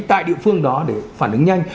tại địa phương đó để phản ứng nhanh